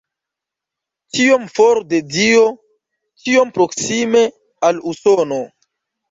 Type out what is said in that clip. Tiom for de Dio, tiom proksime al Usono".